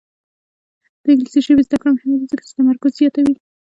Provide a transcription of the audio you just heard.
د انګلیسي ژبې زده کړه مهمه ده ځکه چې تمرکز زیاتوي.